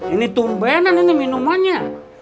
ini tumbenan ini minumannya